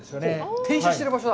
転写している場所だ？